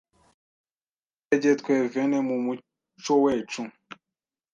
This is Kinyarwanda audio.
Heri imberege twevene mu muco wecu